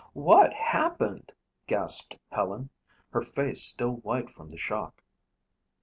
"What happened?" gasped Helen, her face still white from the shock.